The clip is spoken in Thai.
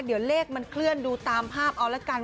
เดี๋ยวเลขมันเวลาเคลื่อนดูภาพเอาแล้วกัน